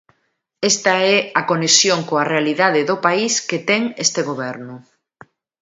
Esta é a conexión coa realidade do país que ten este goberno.